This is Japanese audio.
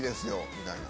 みたいな。